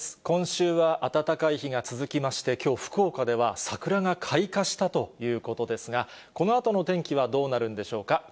今週は暖かい日が続きまして、きょう福岡では桜が開花したということですが、このあとのお天気はどうなるんでしょうか。